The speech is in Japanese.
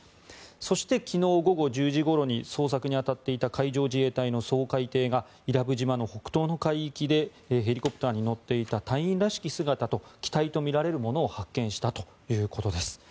そして、昨日午後１０時ごろに捜索に当たっていた海上自衛隊の掃海艇が伊良部島の北東の海域でヘリコプターに乗っていた隊員らしき姿と機体とみられるものを発見したということです。